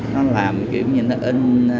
nó làm kiểu như nó in